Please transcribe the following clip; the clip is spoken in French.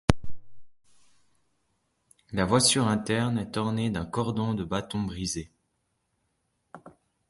La voussure interne est ornée d'un cordon de bâtons brisés.